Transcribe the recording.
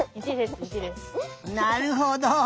なるほど。